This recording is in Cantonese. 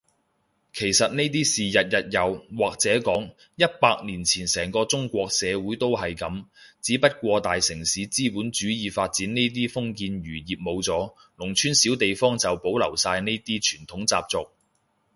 其實呢啲事日日有，或者講，一百年前成個中國社會都係噉，只不過大城市資本主義發展呢啲封建餘孽冇咗，農村小地方就保留晒呢啲傳統習俗